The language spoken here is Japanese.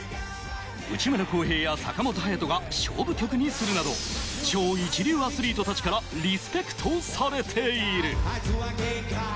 内村航平や坂本勇人が勝負曲にするなど超一流アスリートたちからリスペクトされている！